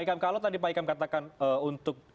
jadi pak ikam katakan untuk